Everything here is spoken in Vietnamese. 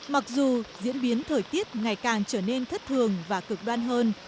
mặc dù diễn biến thời tiết ngày càng trở nên thất thường và cực đoan hơn